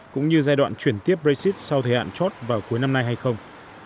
cũng như giai đoạn chuyển tiếp brexit sau thời hạn chót vào cuối năm nay hay không